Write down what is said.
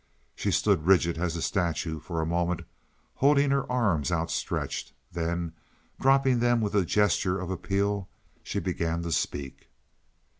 She stood rigid as a statue for a moment, holding her arms outstretched. Then, dropping them with a gesture of appeal she began to speak.